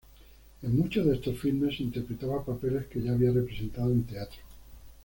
En muchos de estos filmes, interpretaba papeles que ya había representado en teatro.